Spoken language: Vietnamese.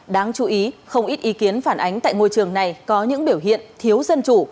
đáng chú ý không ít ý kiến phản ánh tại ngôi trường này có những biểu hiện thiếu dân chủ